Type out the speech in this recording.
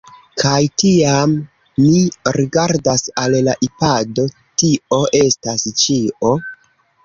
Kaj, tiam, mi rigardas al la ipado: tio estas ĉio.